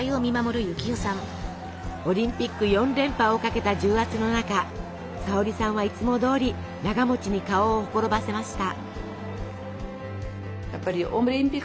オリンピック４連覇をかけた重圧の中沙保里さんはいつもどおりながに顔をほころばせました。